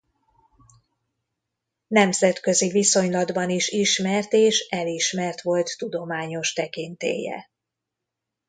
Nemzetközi viszonylatban is ismert és elismert volt tudományos tekintélye.